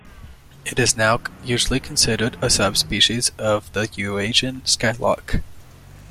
It is now usually considered a subspecies of the Eurasian skylark.